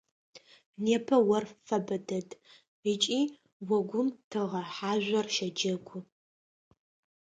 Непэ ор фэбэ дэд ыкӀи огум тыгъэ хьажъор щэджэгу.